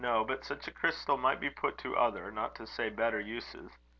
But such a crystal might be put to other, not to say better, uses.